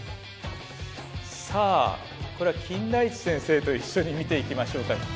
さあこれは金田一先生と一緒に見ていきましょうか。